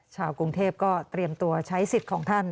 ชาวกรุงเทพก็เตรียมตัวใช้สิทธิ์ของท่าน